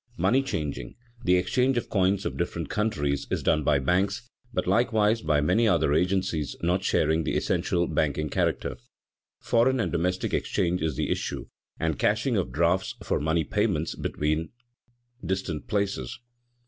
Money changing (the exchange of coins of different countries) is done by banks, but likewise by many other agencies not sharing the essential banking character. Foreign and domestic exchange is the issue and cashing of "drafts" for money payments between distant places.